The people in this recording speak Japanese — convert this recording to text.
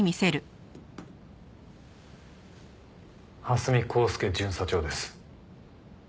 蓮見光輔巡査長です。